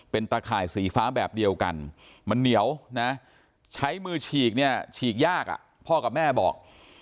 เป็นตะข่ายสีฟ้าแบบเดียวกันมันเหนียวนะใช้มือฉีกเนี่ยฉีกยากพ่อกับแม่บอก